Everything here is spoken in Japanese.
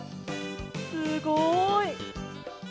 すごい！